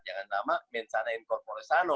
jangan nama main sana import mau ke sana